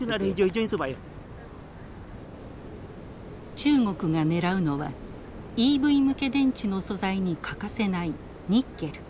中国がねらうのはＥＶ向け電池の素材に欠かせないニッケル。